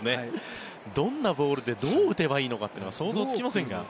どんなボールでどう打てばいいのか想像がつきませんが。